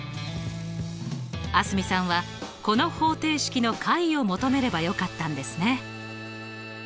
蒼澄さんはこの方程式の解を求めればよかったんですね。